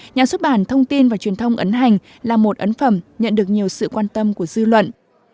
nhà xuất bản thông tin và truyền thông ấn hành là một ấn phẩm nhận được nhiều sự quan tâm của dư luận